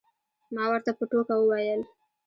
ما ورته په ټوکه وویل.